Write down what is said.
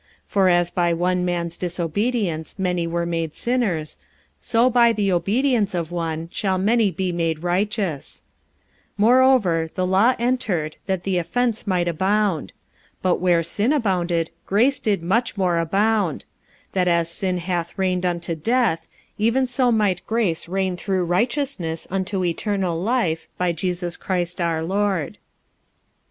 45:005:019 For as by one man's disobedience many were made sinners, so by the obedience of one shall many be made righteous. 45:005:020 Moreover the law entered, that the offence might abound. But where sin abounded, grace did much more abound: 45:005:021 That as sin hath reigned unto death, even so might grace reign through righteousness unto eternal life by Jesus Christ our Lord.